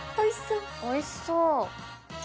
おいしそう。